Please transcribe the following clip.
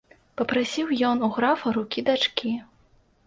Папрасіў ён у графа рукі дачкі.